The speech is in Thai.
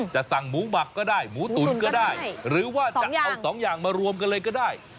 สั่งหมูหมักก็ได้หมูตุ๋นก็ได้หรือว่าจะเอาสองอย่างมารวมกันเลยก็ได้